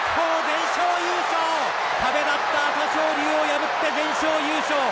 壁だった朝青龍を破って全勝優勝！